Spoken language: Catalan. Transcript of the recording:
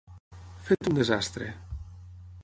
Fet un desastre.